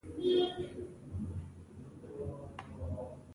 انګلیسي متل وایي ښه ملګری د ځان ښه کول دي.